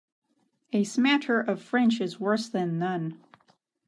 A smatter of French is worse than none.